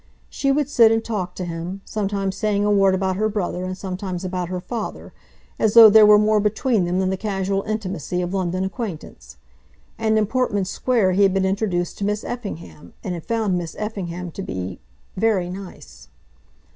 She would sit and talk to him, sometimes saying a word about her brother and sometimes about her father, as though there were more between them than the casual intimacy of London acquaintance. And in Portman Square he had been introduced to Miss Effingham, and had found Miss Effingham to be very nice.